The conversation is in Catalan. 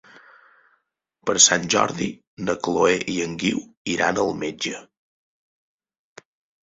Per Sant Jordi na Chloé i en Guiu iran al metge.